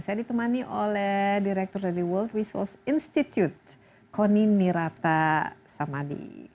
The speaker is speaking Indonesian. saya ditemani oleh direktur dari world resource institute koni nirata samadi